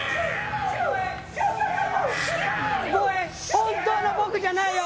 本物の僕じゃないよ！